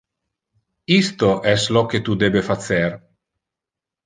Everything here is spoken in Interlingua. Isto es lo que tu debe facer.